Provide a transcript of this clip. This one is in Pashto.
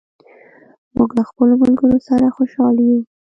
موږ له خپلو ملګرو سره خوشاله یو.